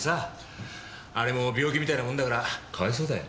あれも病気みたいなもんだからかわいそうだよ。